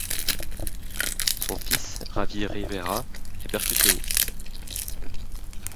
Son fils Javier Rivera est percussionniste.